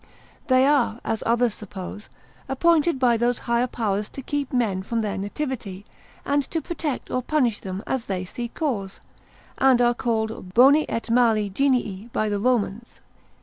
They are (as others suppose) appointed by those higher powers to keep men from their nativity, and to protect or punish them as they see cause: and are called boni et mali Genii by the Romans.